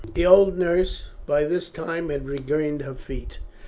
The old nurse by this time had regained her feet.